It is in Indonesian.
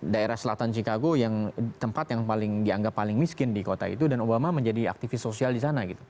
daerah selatan chicago yang tempat yang paling dianggap paling miskin di kota itu dan obama menjadi aktivis sosial di sana gitu